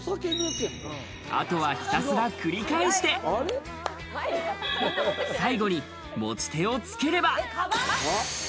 あとはひたすら繰り返して、最後に持ち手をつければ。